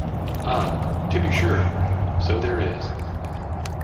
Ah, to be sure, so there is!